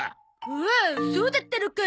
おおっそうだったのか。